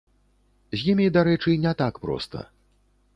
З імі, дарэчы, не так проста.